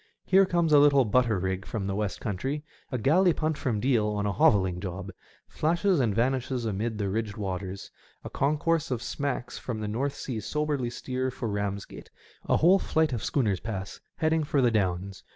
Here comes a little butter rig from the West country; a galley punt from Deal on a hovelling job, flashes and vanishes amid the ridged waters; a concourse of sinacks from the North Sea soberly steer for Bamsgate; a whole flight of schooners pass, heading for the Downs.